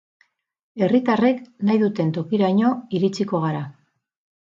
Herritarrek nahi duten tokiraino iritsiko gara.